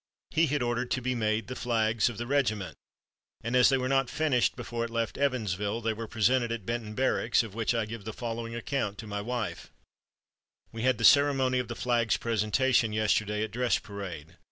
He had ordered to be made the flags of the regiment, and as they were not finished before it left Evansville, they were presented at Benton Barracks, of which I give the following account to my wife: "We had the ceremony of the Flags' Presentation yesterday at dress parade.